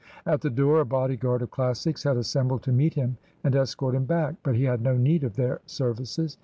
At the door a bodyguard of Classics had assembled to meet him and escort him back. But he had no need of their services.